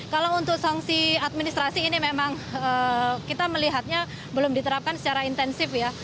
kalau untuk sanksi administrasi ini memang kita melihatnya belum diterapkan secara intensif ya